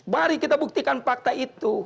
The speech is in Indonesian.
mari kita buktikan fakta itu